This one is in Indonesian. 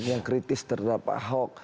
yang kritis terhadap ahok